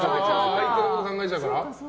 相手のこと考えちゃうから。